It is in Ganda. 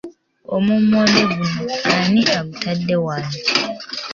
Omummonde guno ani agutadde wano?